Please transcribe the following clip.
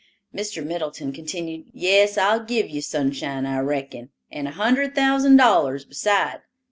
Mr. Middleton continued, "Yes, I'll give you Sunshine, I reckon, and a hundred thousand dollars beside."